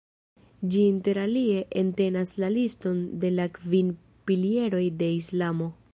Ĝi interalie entenas la liston de la kvin pilieroj de Islamo.